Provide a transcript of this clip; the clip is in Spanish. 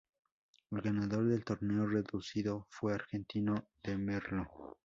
El ganador del torneo reducido fue Argentino de Merlo.